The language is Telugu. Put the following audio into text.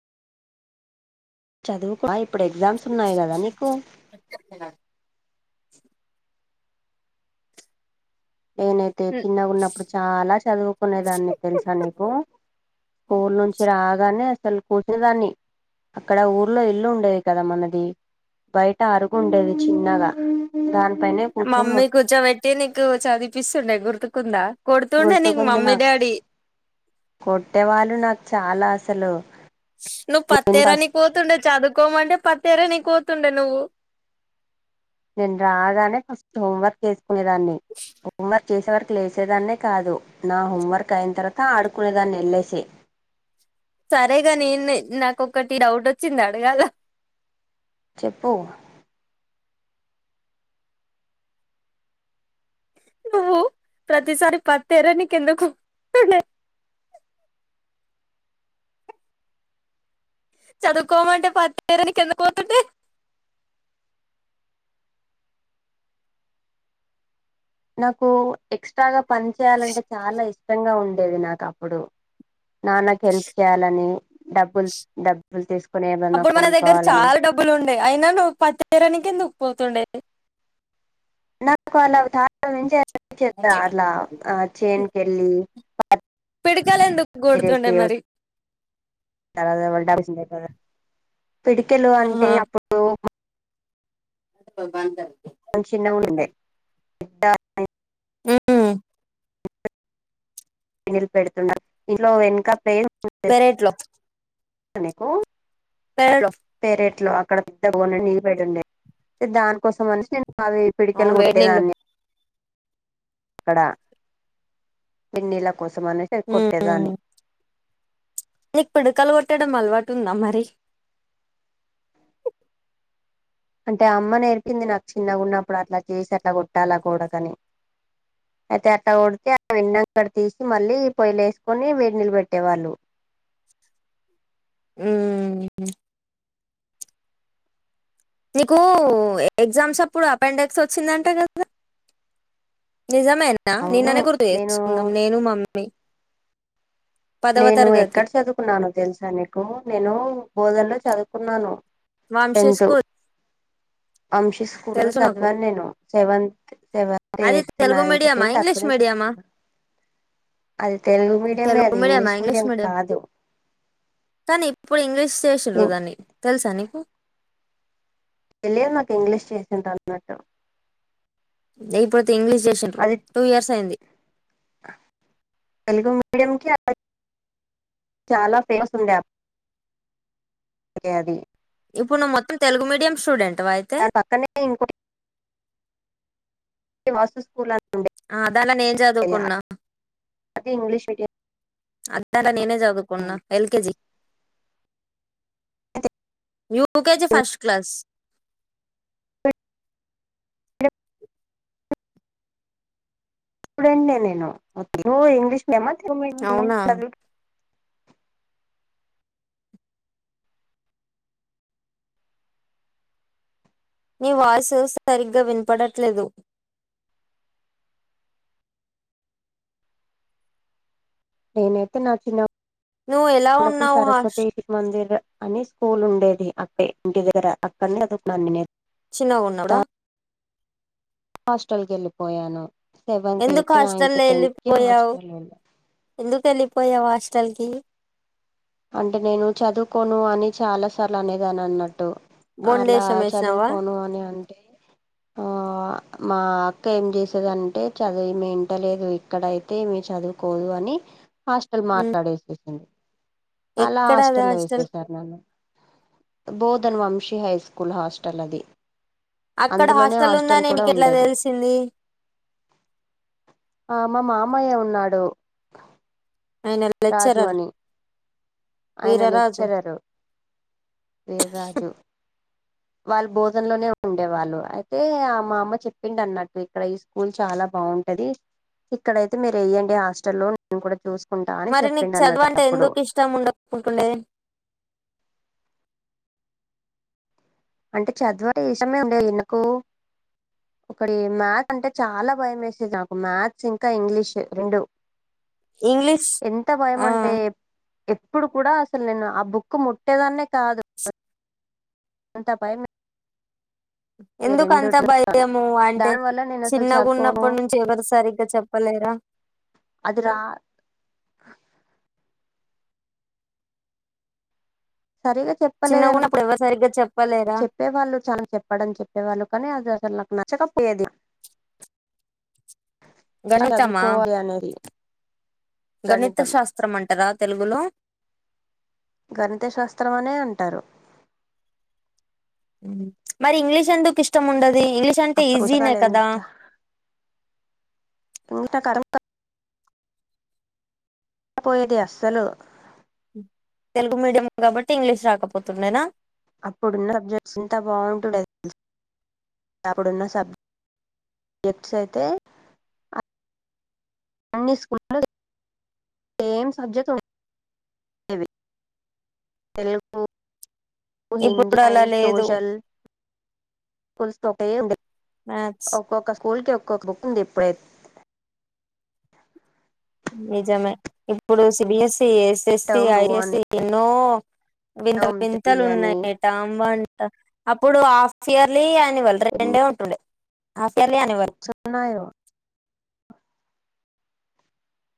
చదువుకోవ ఇప్పుడు ఎగ్జామ్స్ ఉన్నాయి కదా నీకు నేనైతే చిన్నగా ఉన్నప్పుడు చాలా చదువుకునేదాన్ని తెలుసా నీకు స్కూల్ నుంచి రాగానే అసలు కూర్చునేదాన్ని అక్కడ ఊర్లో ఇల్లు ఉండేది కదా మనది బయట అరుగుండేది చిన్నగా దాన్ మమ్మీ కూర్చోబెట్టి నీకు చదివిపిస్తుండే గుర్తుకుందా కొడుతుండే నీకు గుర్తుకుంది మమ్మీ నాకు డాడీ కొట్టేవాళ్ళు నాకు చాలా అసలు నువ్వు పత్తి నేను ఫస్ట్ ఎరనికి పోతుండే చదువుకోమంటే పత్తి ఎరనికి పోత్ డ నువ్వు నేను రాగానే ఫస్ట్ హోంవర్క్ చేసుకునేదాన్ని హోంవర్క్ చేసే వరకు లేసేదాన్నే కాదు నా హోంవర్క్ అయిన తర్వాత ఆడుకునేదాన్ని వెళ్ళసి సరేగా నేను నాకొక్కటి డౌట్ వచ్చింది అడగాల చెప్పు నువ్వు ప్రతిసారి పత్తి ఎరనికి ఎందుకు తుండె చదువుకోమంటే పత్తి ఏరనికి ఎందుకు పోతుండె నాకు ఎక్స్ట్రాగా పని చేయాలంటే చాలా ఇష్టంగా ఉం దు నాకప్పుడు నాన్న హెల్ప్ చేయాలని డబ్బులు డబ్బులు తీసుకు అప్పుడు మన దగ్గర చాలా డబ్బులు ఉండే అయినా నువ్వు పత్రానికి ఎందుకు పోతుండే అట్లా ఆ చేన్కి ఎళ్ళి పిడకలు ఎందుకు గొడుతుండే మరి పిడికెలు అంటే ఆహా అప్పుడు బందాల్ కొన్ చిన్నగుండె మ్ మ్ [unintelligible] పెడుతున్న ఇంట్లో వెనుక పేన్ పెరేట్లో కు [unintelligible] [unintelligible] దాని కోసం అనేసి అవి పిడికెలు అవును వేడి నీళ్ళు కొట్టేదాన్ని అక్కడ పిన్నీళ్ల కోసం అనేసి ఎ కొట్టేదాన్ని నిక్ పిడకలు కొట్టడం అలవాటు ఉందా మరి అంటే అమ్మ నేర్పింది నాక్ చిన్నగా ఉన్నప్పుడు అట్లా చేసి అట్లా కొట్టాలా కొడకాని అయితే అట్ట కొడితే ఆ వెన్నక్కడ తీసి మళ్ళీ పొయ్యిలేస్కొని వేడి నిళ్బెట్టేవాళ్ళు [unintelligible] నీకు ఎగ్జామ్స్ అప్పుడు ఆపండెక్స్ ఓచ్చిందంట కదా నిజమేనా అవును నిన్ననే గుర్తు నేను ఎస్కునం నేను మమ్మీ పదవ నేను తరగతి ఎక్కడ చదుకున్నాను తెలుసా నీకు నేను బోదల్లో చదుకున్నాను వంశీ టెన్త్ స్కూల్ అంశీ స్కూలో తెలుసు నాకు చదివాను నేను సెవంత్ సెవత్ అది ఎయిత్ తెలుగు నైన్త్ మీడియమా టెన్త్ ఇంగ్లీష్ అక్కనే మీడియమా చదుకున్నాను అది తెలుగు మీడియమే అద్ తెలుగు మీడియమా ఇంగ్లీష్ మీడియం కానీ ఇప్పుడు ఇంగ్లీష్ తెసిరు దాన్ని తెల్సా నీకు తెలియాదు నాకు ఇంగ్లీష్ చేసిన్ [inaudible] లేపోతే ఇంగ్లీష్ చేసిండ్రు అది టూ ఇయర్స్ అయింది [unintelligible] చాలా ఫేమస్ ఉందె [unintelligible] ఇప్పుడు ను మొత్తం తెలుగు మీడియం స్టూడెం దాని పక్కనే ఇంకోటి వస్తు స్కూల్ అ ఆ దాన్ల నేన్ చదువుకున్నా అది ఇంగ్లీష్ మీడియం అన్ దాంట్ల నెనే చదువుకున్న L KG UK G first class ఇపుడెనే నేను నువ్వు ఇంగ్లీష్ అవునా [unintelligible] నీ వాయిస్ ఉ సరిగ్గా వినపడట్లేదు నేనైతే నా చిన్న నువ్వు ఎలా పునపుడు ఉన్నావు హాస్ సరస్వతి మందిర్ అని స్కూల్ ఉండేది అపె ఇంటి దగ్గర అక్కనే [unintelligible] చిన్నగా ఉన్నాప్పుడా హాస్టల్కి ఏళ్ళిపోయాను సెవెంత్ ఎందుకు ఎయిత్ నైన్త్ టెన్త్ కి హాస్టల్ ఉండె ఎందుక్ ఏళ్లిపోయావ్ హాస్టల్ కి అంటే నేను చదువుకోను అని చాలా సార్లు అనేదాని అన్నట్టు అలా బొండేశం వేసినావా చదువుకోను అని అంటే ఆ మా అక్క ఏం చేసేదంటే చదువు ఇమె ఇంటలేదు ఇక్కడయితే ఇమె చదుకోదు అని హాస్టల్ ఉమ్, మాట్లాడేసేసింది ఎక్కడ అది లాస్టల్లో హాస్టల్ వేసేసారు నన్ను Bodhan Vamshi high school hostel అది అక్కడ అందులోనే హాస్టల్ ఉందని కూడా నీకు ఎట్లా ఉండేది తెలిసింది ఆ మా మామయ్య ఉన్నాడు ఆయన రాజు లెక్చరర్ అని ఆయన వీరరాజు లెక్చరరు వీర్రాజు వాళ్ బోధన్ లోనే ఉండేవాళ్ళు అయితే ఆ మామ చెప్పిండ్ అన్నట్టు ఇక్కడ ఈ స్కూల్ చాలా బ బవుంటది ఇక్కడయితే మీర్ ఎయండి హాస్టల్లో నేను కూడా చూస్ మరి నీకు చదువంటే ఎందుకు ఇష్టం ఉండక్ పోతుండే అంటే చదువా ఏ సమయం ఉండే ఎందుకు ఒకడి మ్యాథస్ అంటే చాలా భయం వేసేది నాకు మ్యాథ్స్ ఇంకా ఇంగ్లీష్ రెండు ఇంగ్లీష్ ఎంత భయం ఆ అంటే ఎప్ ఇప్పుడు కూడా అసలు నేను ఆ బుక్ ముట్టేదాన్నే కాదు అంత భయం వేసేది ఎందుకు అంత రెండుట్లో భయము అంటే దాని వల్ల నేను అసలు చిన్నగా చదువుకోను ఉన్నప్పటి నుంచి ఎవరు సరిగ్గా చెప్ప పలేరా అది రా సరిగా చెప్పలేదనక చిన్నగున్నప్పుడు ఎవరు సరిగ్గా చెప్పలేరా చెప్పేవాళ్ళు చాలా చెప్పడంని చెప్పేవాళ్ళు కానీ అది అద్ నాక్ నచ్చకపోయాది గణితమా గణిత గణితం శాస్త్రంమంటరా తెలుగులో గణిత శాస్త్రం అనే అంటారు మరి ఇంగ్లీష్ ఎందుకు ఇష్టం ఉండది ఇంగ్లీష్ ఆ అంటే ఈజీనే పుస్తకాలు ఎంత కదా ఇట కడ పపోయేది అస్సలు తెలుగు మీడియం కాబట్టి ఇంగ్లీష్ రాకపోతుండేనా అప్పుడున్న సబ్జెక్ట్స్ ఇంత బాగుంటుడు అప్పుడున్న సబ్ సబ్జెక్ట్స్ అయితే అన్ని స్కూళ్ళలు సేమ్ సబ్జెక్ట్ ఉ తెలుగు హిందీ ఇప్పుడు అలా అండ్ లేదు సోషల్ స్కూల్స్ ఒక ఉ మ్యాథ్స్ ఒక్కొక్క స్కూల్ కి ఒ బుక్ ఉంది ఇప్పుడై నిజమే ఇప్పుడు సిబిఎస్సి ఎస్ఎస్సి టర్మ్ టూ అని ఐఎస్సి ఎన్నో వింత టర్మ్ త్రీ వింతలు అని ఉన్నాయట అమ్బంట అప్పుడు హాఫ్ ఇయర్లీ నివల్ ఎన్ని రెండే ఉంటుండే హఫయర్లీ అనివల్ ఉన్నాయో